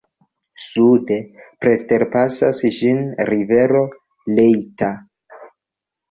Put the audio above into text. Sude preterpasas ĝin rivero Leitha.